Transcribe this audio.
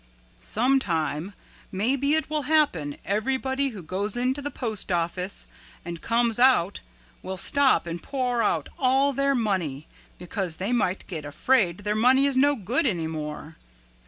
"Sometime maybe it will happen everybody who goes into the postoffice and comes out will stop and pour out all their money, because they might get afraid their money is no good any more.